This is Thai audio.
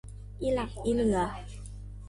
อีหลักอีเหลื่อ